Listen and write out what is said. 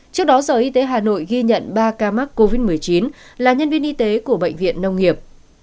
trước đó sở y tế hà nội ghi nhận ba ca mắc covid một mươi chín là nhân viên y tế của bệnh viện nông nghiệp